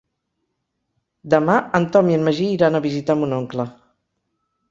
Demà en Tom i en Magí iran a visitar mon oncle.